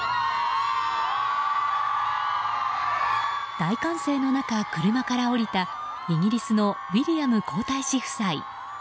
大歓声の中、車から降りたイギリスのウィリアム皇太子夫妻。